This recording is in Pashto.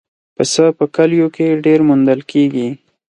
پسه په کلیو کې ډېر موندل کېږي.